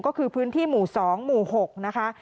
ก็คือพื้นที่หมู่๒หมู่๖นะคะ